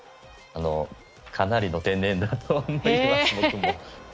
かなりの天然だと思いますね。